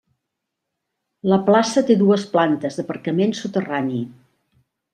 La plaça té dues plantes d'aparcament soterrani.